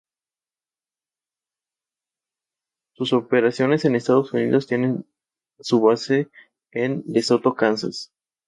Estudió medicina en la Universidad de San Carlos en la ciudad de Guatemala.